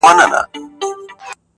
حکیمي صاحب ته د لا ښې شاعرۍ